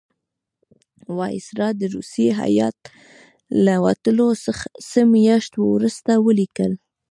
وایسرا د روسی هیات له وتلو څه میاشت وروسته ولیکل.